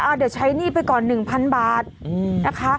เดี๋ยวใช้หนี้ไปก่อน๑๐๐๐บาทนะคะ